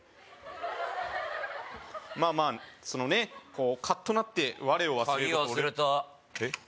まあまあそのねこうカッとなって我を忘れる鍵忘れたえっ？